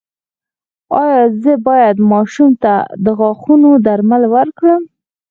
ایا زه باید ماشوم ته د غاښونو درمل ورکړم؟